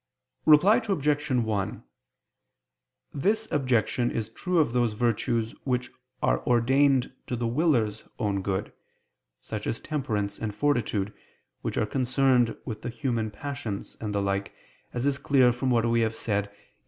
Reply Obj. 1: This objection is true of those virtues which are ordained to the willer's own good; such as temperance and fortitude, which are concerned with the human passions, and the like, as is clear from what we have said (Q.